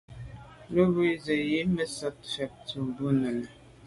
Lo’ mbwe nse’ yi me sote mfèt tô bo nène.